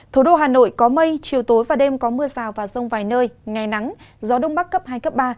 thủ đô hà nội có mây chiều tối và đêm có mưa rào và rông vài nơi ngày nắng gió đông bắc cấp hai cấp ba